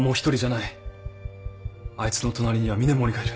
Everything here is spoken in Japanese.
あいつの隣には峰森がいる。